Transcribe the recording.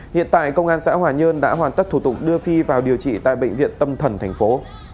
hiện tại công an xã hòa nhơn đã hoàn tất thủ tục đưa phi vào điều trị tại bệnh viện tâm thần thành phố